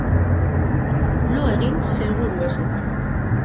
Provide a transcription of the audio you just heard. Lo egin, seguru ezetz!